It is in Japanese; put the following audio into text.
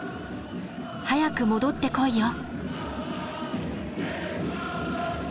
「早く戻ってこいよ」。